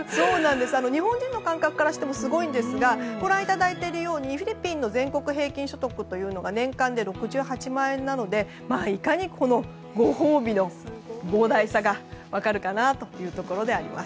日本人の感覚からしてもすごいんですがフィリピンの全国平均所得というのが年間で６８万円なのでいかにこのご褒美の膨大さが分かるかなというところであります。